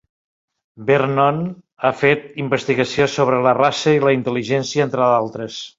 Vernon ha fet investigació sobre la raça i la intel·ligència, entre d'altres.